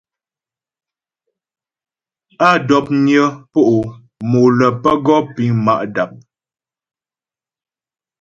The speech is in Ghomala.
Á dɔpnyə po' mo lə́ pə́ gɔ piŋ ma' dap.